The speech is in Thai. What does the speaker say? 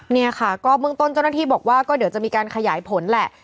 เนี่ยค่ะก็เบื้องต้นเจ้าหน้าที่บอกว่าก็เดี๋ยวจะมีการขยายผลแหละ